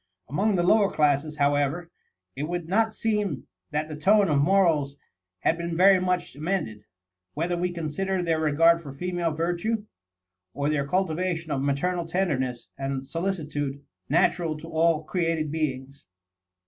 Among the lower classes, however, it would not seem that the tone of morals had been very much amended, whether we consider their regard for female virtue, or their cultivation of the maternal tenderness and solicitude natural to all created beings.